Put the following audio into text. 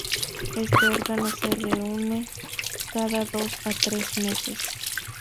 Este órgano se reúne cada dos o tres meses.